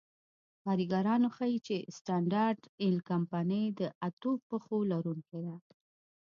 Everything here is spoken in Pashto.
کاریکاتور ښيي چې سټنډرډ آیل کمپنۍ د اتو پښو لرونکې ده.